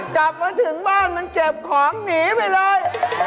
กลับมาถึงบ้านมันเก็บของหนีไปเลย